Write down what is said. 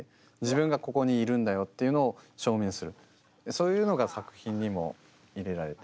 そういうのが作品にも入れられて。